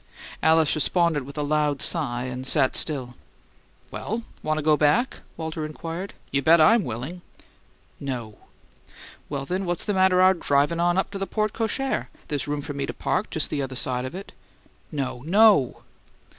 Alice responded with a loud sigh, and sat still. "Well, want to go on back?" Walter inquired. "You bet I'm willing!" "No." "Well, then, what's the matter our drivin' on up to the porte cochere? There's room for me to park just the other side of it." "No, NO!"